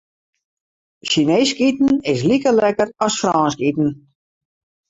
Sjineesk iten is like lekker as Frânsk iten.